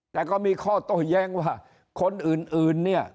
แต่ก็มีข้อโต้แย้งว่าคนอื่นเนี่ย